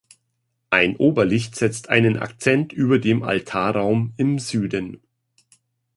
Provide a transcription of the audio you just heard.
Ein Oberlicht setzt einen Akzent über dem Altarraum im Süden.